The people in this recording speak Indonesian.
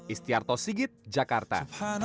istiarto sigit jakarta